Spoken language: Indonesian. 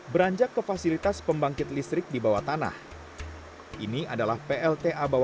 beranjak ke pulau asahan air yang masuk harus sesuai dengan kapasitas kemampuan turbin